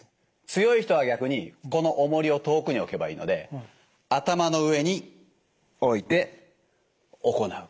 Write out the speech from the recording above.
強い人は逆にこのおもりを遠くに置けばいいので頭の上に置いて行う。